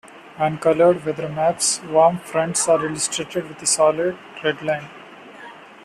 On colored weather maps, warm fronts are illustrated with a solid red line.